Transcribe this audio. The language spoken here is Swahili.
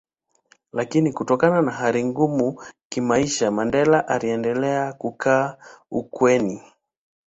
Lakini Kutokana na hali ngumu kimaisha Mandela aliendelea kukaa ukweni